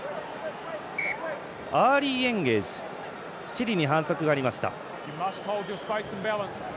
アーリーエンゲージチリに反則がありました。